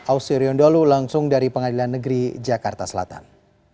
ausri rion dholu langsung dari pengadilan negeri jakarta selatan